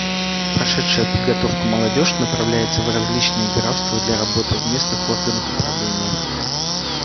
Прошедшая подготовку молодежь направляется в различные графства для работы в местных органах управления.